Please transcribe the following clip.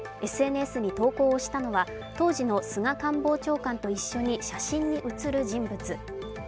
ＳＮＳに投稿したのは当時の菅官房長官と一緒に写真に写る人物。